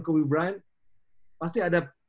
kobe bryant pasti ada